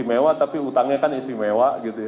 istimewa tapi utangnya kan istimewa